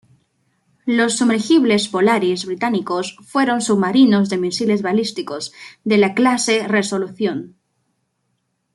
Los sumergibles Polaris británicos fueron submarinos de misiles balísticos de la "clase Resolución".